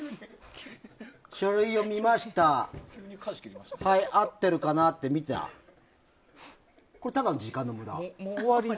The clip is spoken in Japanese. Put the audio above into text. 書類を見ました合ってるかなって見てこれ、ただの時間の無駄。